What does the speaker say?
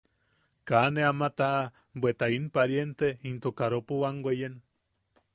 Kaa ne ama taʼa, bweta in pariente into karopo wam weyen.